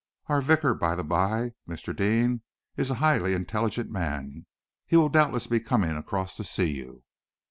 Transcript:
"Our vicar, by the bye, Mr. Deane, is a highly intelligent man. He will doubtless be coming across to see you."